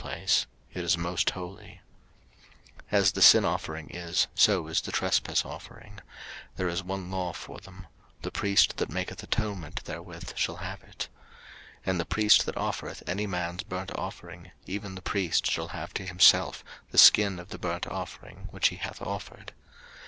03:007:007 As the sin offering is, so is the trespass offering: there is one law for them: the priest that maketh atonement therewith shall have it. 03:007:008 And the priest that offereth any man's burnt offering, even the priest shall have to himself the skin of the burnt offering which he hath offered.